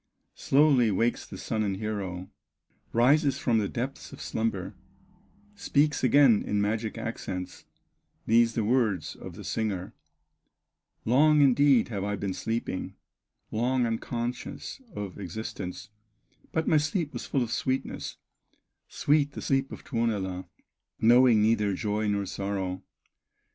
Quickly wakes the son and hero, Rises from the depths of slumber, Speaks again in magic accents, These the first words of the singer: "Long, indeed, have I been sleeping, Long unconscious of existence, But my sleep was full of sweetness, Sweet the sleep in Tuonela, Knowing neither joy nor sorrow!"